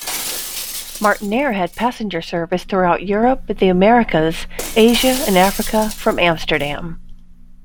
Martinair had passenger service throughout Europe, the Americas, Asia, and Africa from Amsterdam.